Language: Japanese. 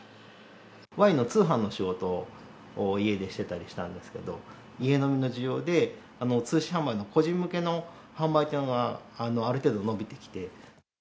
ワインの通販の仕事を家でしてたりしたんですけど、家飲みの需要で、通信販売の個人向けの販売というのがある程度伸びてきて。